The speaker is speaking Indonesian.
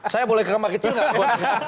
saya boleh ke kembang kecil nggak buat